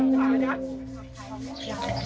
มาดำเนี่ยดังกันเนี่ย